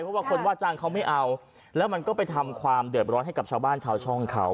เพราะว่าคนว่าจ้างเขาไม่เอาแล้วมันก็ไปทำความเดือดร้อนให้กับชาวบ้านชาวช่องเขา